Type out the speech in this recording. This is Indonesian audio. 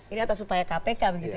ini atas upaya kpk begitu ya